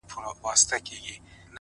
که آرام غواړې! د ژوند احترام وکړه!